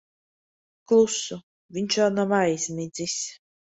Klusu. Viņš vēl nav aizmidzis.